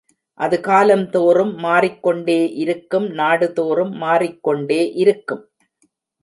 அது காலந்தோறும் மாறிக் கொண்டே இருக்கும் நாடுதோறும் மாறிக் கொண்டே இருக்கும்.